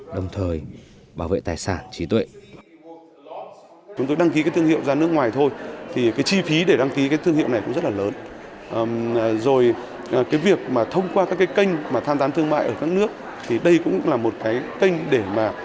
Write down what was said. đồng thời bảo vệ tài sản trí tuệ